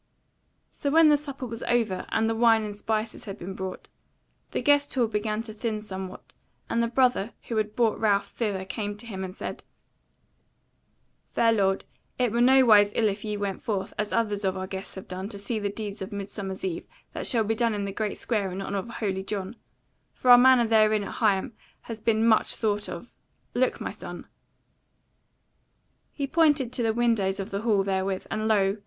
So when the supper was over, and the wine and spices had been brought, the Guest hall began to thin somewhat, and the brother who had brought Ralph thither came to him and said: "Fair lord, it were nowise ill if ye went forth, as others of our guests have done, to see the deeds of Midsummer Eve that shall be done in the great square in honour of Holy John; for our manner therein at Higham has been much thought of. Look my son!" He pointed to the windows of the hall therewith, and lo!